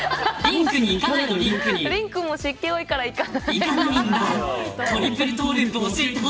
リンクは湿気多いから行かない。